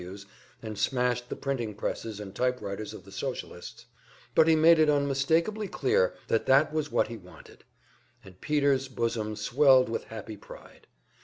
Ws. and smashed the printing presses and typewriters of the Socialists, but he made it unmistakably clear that that was what he wanted, and Peter's bosom swelled with happy pride.